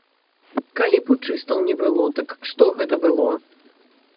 Калі путчыстаў не было, дык што гэта было?